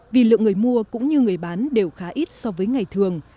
vì lượng người mua cũng như người bán đều khá ít so với ngày thường